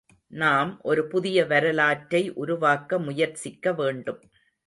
நாம் ஒரு புதிய வரலாற்றை உருவாக்க முயற்சிக்க வேண்டும்.